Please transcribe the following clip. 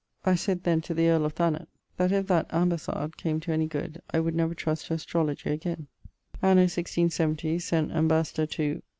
I sayd then to the earl of Th that if that ambassade came to any good I would never trust to astrologie again. Anno 167 sent ambassador to